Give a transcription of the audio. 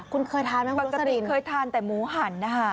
คุณเคยทานไหมคุณโรสรินปกติเคยทานแต่หมูหันนะคะ